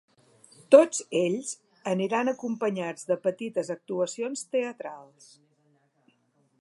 Tots ells aniran acompanyats de petites actuacions teatrals.